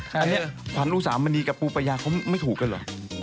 ควันอุปสรรมีนีกับปูปัญญาเขาไม่ถูกกันเหรอ